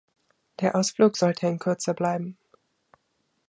Der Ausflug sollte ein kurzer bleiben.